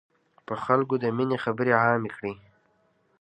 په خلکو د ميني خبري عامي کړی.